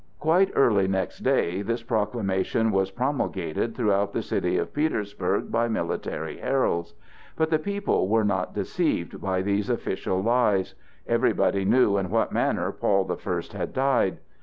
Quite early next day this proclamation was promulgated throughout the city of Petersburg by military heralds. But the people were not deceived by these official lies. Everybody knew in what manner Paul the First had died.